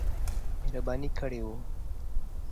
مهرباني کړې وه.